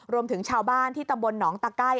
รวมถึงชาวบ้านที่ตำบลหนองตะไก้